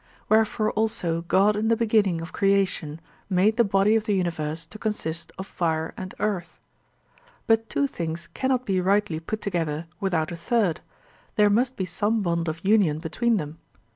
Wherefore also God in the beginning of creation made the body of the universe to consist of fire and earth. But two things cannot be rightly put together without a third; there must be some bond of union between them.